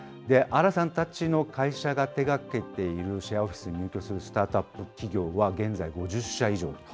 荒さんたちの会社が手がけているシェアオフィスに入居するスタートアップ企業は現在５０社以上。